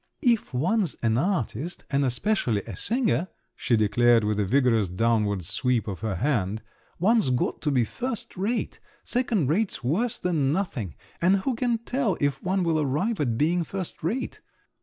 "If one's an artist, and especially a singer," she declared with a vigorous downward sweep of her hand, "one's got to be first rate! Second rate's worse than nothing; and who can tell if one will arrive at being first rate?"